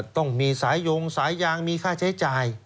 ต้องมีสายยงสายยางมีค่าใช้จ่าย